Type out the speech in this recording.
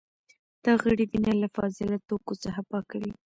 دا غړي وینه له فاضله توکو څخه پاکوي.